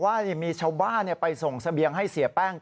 ต้องมีแป้งโรย